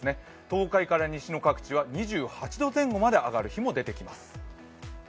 東海から西の各地は２８度ぐらいまで上がるところも出てきます。